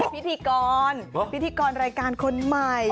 พิธีกรพิธีกรรายการคนใหม่